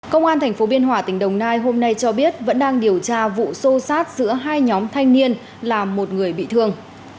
công an tp biên hòa tỉnh đồng nai hôm nay cho biết vẫn đang điều tra vụ xô xát giữa hai nhóm thanh niên là một người bị thương